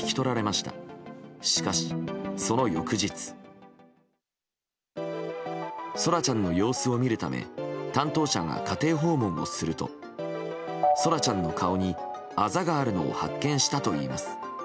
しかし、その翌日。空来ちゃんの様子を見るため担当者が家庭訪問をすると空来ちゃんの顔にあざがあるのを発見したといいます。